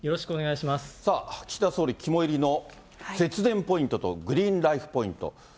さあ、岸田総理肝煎りの節電ポイントとグリーンライフ・ポイント。